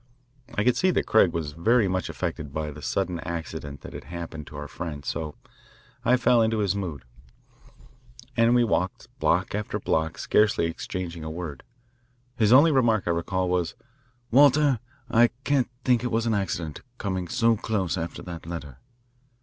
I could see that Craig was very much affected by the sudden accident that had happened to our friend, so I fell into his mood, and we walked block after block scarcely exchanging a word. His only remark, I recall, was, "Walter, I can't think it was an accident, coming so close after that letter."